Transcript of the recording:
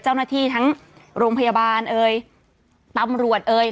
เจ้าหน้าที่ทั้งโรงพยาบาลเอ่ยตำรวจเอ่ย